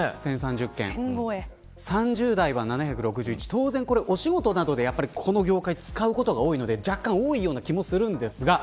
当然お仕事などでこの業界、使うことが多いので若干多いような気もするんですが